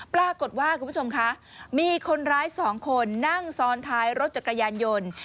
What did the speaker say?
ปรากฏว่าคุณผู้ชมคะมีคนร้ายสองคนนั่งซ้อนท้ายรถจักรยานยนต์